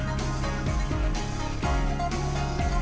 wassalamualaikum wr wb